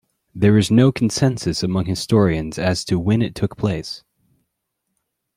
There is no consensus among historians as to when it took place.